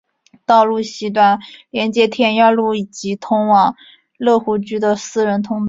道路西端连接天耀路以及通往乐湖居的私人道路。